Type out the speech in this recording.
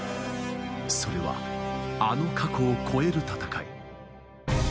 それは、あの過去を超える戦い。